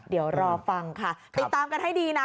เดี๋ยวรอฟังค่ะติดตามกันให้ดีนะ